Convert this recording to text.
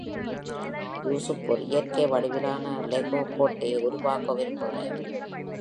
யூசுப் ஒரு இயற்கை வடிவிலான லெகோ கோட்டையை உருவாக்க விரும்புகிறார்.